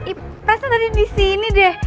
ipresnya tadi di sini deh